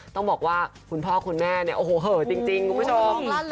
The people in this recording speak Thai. ต้องบอกว่าคุณพ่อคุณแม่เนี่ยโอ้โหเหอะจริงคุณผู้ชม